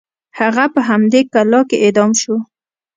هغه په همدې کلا کې اعدام شو.